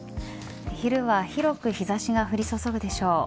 昼は広く日差しが降り注ぐでしょう。